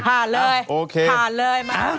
ผ่านเลยโอเคผ่านเลยมา